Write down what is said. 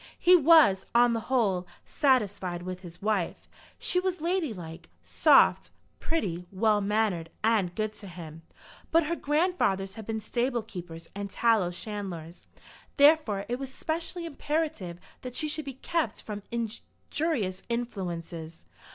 He was, on the whole, satisfied with his wife. She was ladylike, soft, pretty, well mannered, and good to him. But her grandfathers had been stable keepers and tallow chandlers. Therefore it was specially imperative that she should be kept from injurious influences.